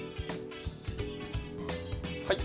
はい。